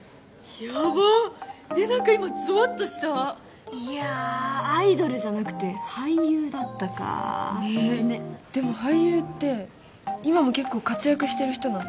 ヤバッ何か今ゾワッとしたいやアイドルじゃなくて俳優だったかあでも俳優って今も結構活躍してる人なの？